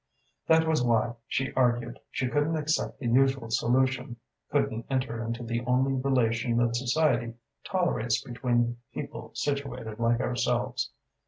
"That was why, she argued, she couldn't accept the usual solution: couldn't enter into the only relation that society tolerates between people situated like ourselves.